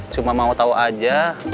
cuma mau tahu aja